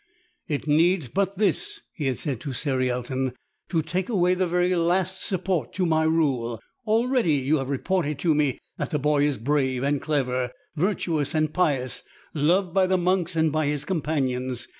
"It needs but this,'' he had said to Cerialton, "to take away the very last support to my rule. Already you have reported to me that the boy is brave and clever, virtuous and pious, loved by the monks and by his companions.